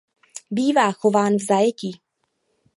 Bývá chován v zajetí.